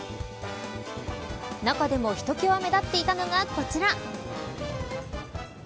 中でも、ひときわ目立っていたのがこちら。